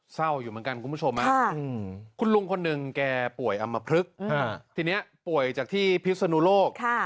เศร้าอยู่เหมือนกันคุณผู้ชมคุณลุงคนหนึ่งแกป่วยอำมพลึกทีนี้ป่วยจากที่พิศนุโลก